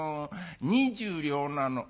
２０両なの」。